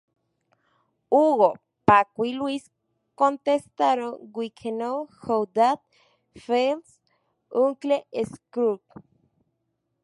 Hugo, Paco y Luis contestaron: ""We know how that feels, uncle Scrooge!